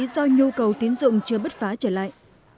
do nhu cầu tiến dụng chưa bứt phá trở lại